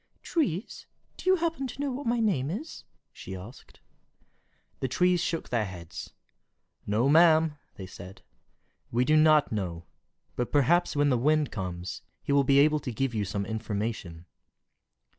"Trees, do you happen to know what my name is?" she asked. The trees shook their heads. "No, ma'am," they said, "we do not know; but perhaps when the Wind comes, he will be able to give you some information."